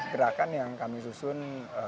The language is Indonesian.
gerakan yang kami susun